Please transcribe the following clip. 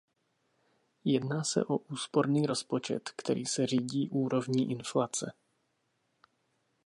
Jedná se o úsporný rozpočet, který se řídí úrovní inflace.